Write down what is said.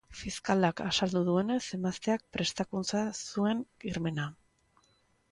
Fiskalak azaldu duenez, emazteak prestatu zuen krimena.